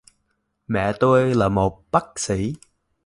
mẹ tôi là một bác sĩ